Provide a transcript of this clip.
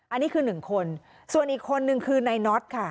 อันนี้คือหนึ่งคนส่วนอีกคนนึงคือนายน็อตค่ะ